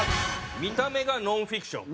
見た目がノンフィクション。